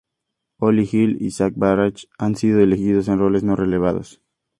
Oli Hill y Zack Barack han sido elegidos en roles no revelados.